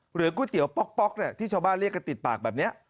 ก๋วยเตี๋ยวป๊อกที่ชาวบ้านเรียกกันติดปากแบบนี้